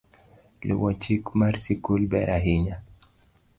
Luwo chik mar sikul ber ahinya